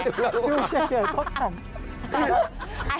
ดูเฉยก็ขำ